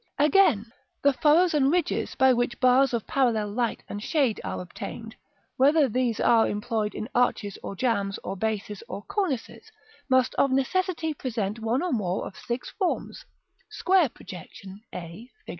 § IV. Again, the furrows and ridges by which bars of parallel light and shade are obtained, whether these are employed in arches, or jambs, or bases, or cornices, must of necessity present one or more of six forms: square projection, a (Fig.